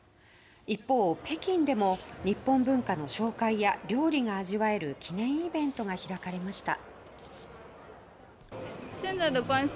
一方、北京でも日本文化の紹介や料理が味わえる記念イベントが開かれました。